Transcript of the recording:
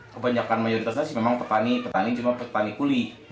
kebanyakan mayoritas memang petani petani cuma petani kuli